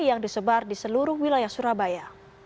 yang disebar di seluruh wilayah surabaya